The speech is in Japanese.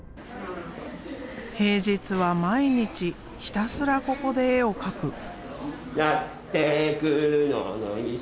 平日は毎日ひたすらここで絵を描く。